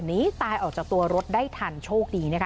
หนีตายออกจากตัวรถได้ทันโชคดีนะคะ